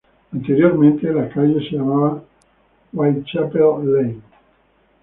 Anteriormente la calle se llamaba Whitechapel Lane.